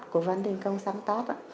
của văn đình công sáng tạo